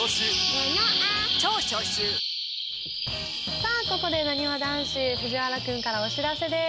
さあ、ここでなにわ男子・藤原君からお知らせです。